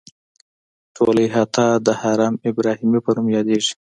ټوله احاطه د حرم ابراهیمي په نوم یادیږي.